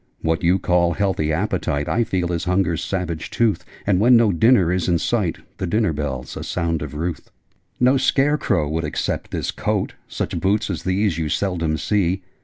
What you call healthy appetite I feel as Hunger's savage tooth: And, when no dinner is in sight, The dinner bell's a sound of ruth! 'No scare crow would accept this coat: Such boots as these you seldom see.